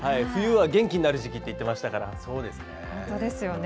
冬は元気になる時期って言っていましたからね。